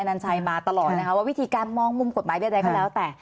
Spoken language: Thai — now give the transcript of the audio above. อันนั้นชัยมาตลอดนะครับว่าวิธีการมองมุมกฎหมายเรียกได้ก็แล้วแต่